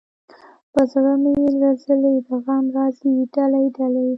پۀ زړۀ مې زلزلې د غم راځي دلۍ، دلۍ